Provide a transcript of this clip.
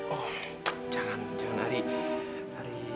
oh jangan jangan ari ari